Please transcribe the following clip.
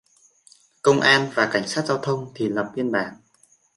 Công an và cảnh sát giao thông thì Lập biên bản